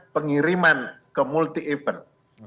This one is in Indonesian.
pengiriman ke multi event